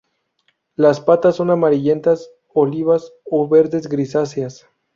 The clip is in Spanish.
Las patas son amarillentas olivas a verdes grisáceas.